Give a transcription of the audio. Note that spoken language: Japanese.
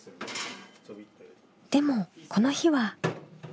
でもこの日は。